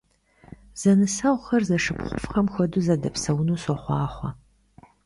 Зэнысэгъухэр зэшыпхъуфӀхэм хуэдэу зэдэпсэуну сохъуахъуэ!